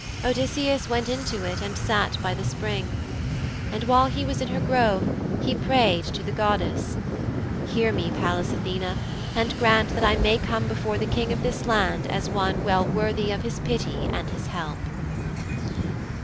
Odysseus went into it and sat by the spring. And while he was in her grove he prayed to the goddess, 'Hear me, Pallas Athene, and grant that I may come before the King of this land as one well worthy of his pity and his help.'